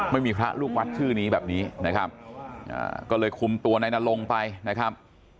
ไม่มีพระลูกวัดชื่อนี้แบบนี้นะครับก็เลยคุมตัวนายนรงไปนะครับ